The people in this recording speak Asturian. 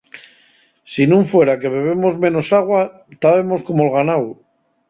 Si nun fuera que bebemos menos agua, tábemos como'l ganáu.